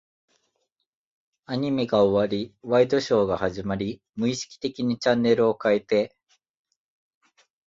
アニメが終わり、ワイドショーが始まり、無意識的にチャンネルを変えて、